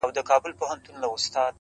او خلک فکر کوي ډېر،